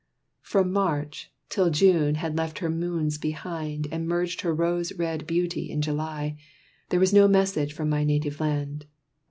From March till June had left her moons behind, And merged her rose red beauty in July, There was no message from my native land.